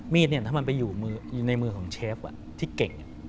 ถ้ามันไปอยู่ในมือของเชฟที่เก่ง